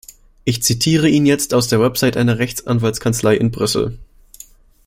Ich zitiere Ihnen jetzt aus der Webseite einer Rechtsanwaltkanzlei in Brüssel.